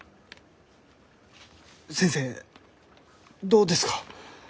先生どうですか？